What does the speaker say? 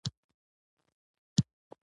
_زه يم، په ما پسې راځه!